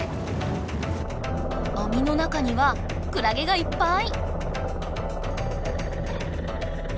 網の中にはクラゲがいっぱい！